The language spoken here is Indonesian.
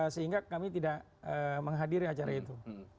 sehingga kami tidak menghadiri acara itu